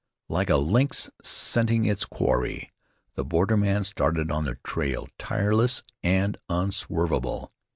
Like a lynx scenting its quarry, the borderman started on the trail, tireless and unswervable.